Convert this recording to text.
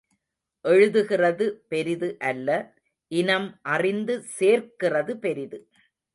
எழுதுகிறது பெரிது அல்ல இனம் அறிந்து சேர்க்கிறது பெரிது.